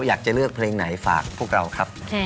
อยากจะเลือกเพลงไหนฝากพวกเราครับ